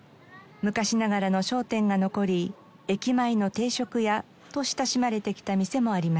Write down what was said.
昔ながらの商店が残り「駅前の定食屋」と親しまれてきた店もありました。